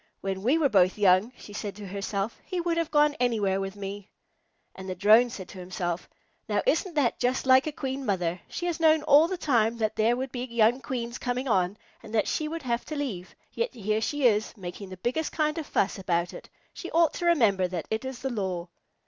"When we were both young," she said to herself, "he would have gone anywhere with me." And the Drone said to himself, "Now, isn't that just like a Queen Mother! She has known all the time that there would be young Queens coming on, and that she would have to leave, yet here she is, making the biggest kind of fuss about it. She ought to remember that it is the law."